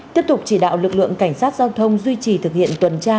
tiếp tục chỉ đạo lực lượng cảnh sát giao thông duy trì thực hiện tuần tra